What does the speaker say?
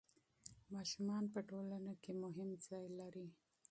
ماشومان په ټولنه کې مهم ځای لري.